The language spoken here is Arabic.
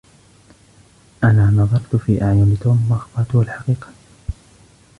أنا نظرت في أعيُن توم وأخبرتةُ الحقيقة.